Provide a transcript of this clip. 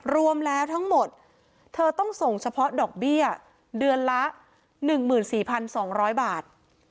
รวมแล้วทั้งหมดเธอต้องส่งเฉพาะดอกเบี้ยเดือนละ๑๔๒๐๐บาท